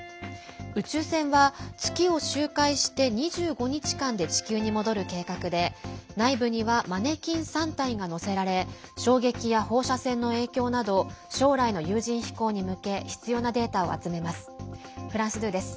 宇宙船は月を周回して２５日間で地球に戻る計画で内部にはマネキン３体が乗せられ衝撃や放射線の影響など将来の有人飛行に向け必要なデータを集めます。